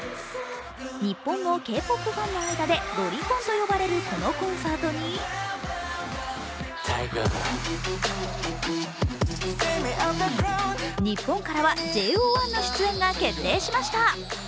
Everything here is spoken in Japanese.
日本のＫ−ＰＯＰファンの間でドリコンと呼ばれるこのコンサートに日本からはＪＯ１の出演が決定しました。